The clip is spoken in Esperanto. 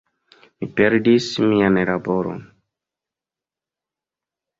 Mi perdis mian laboron.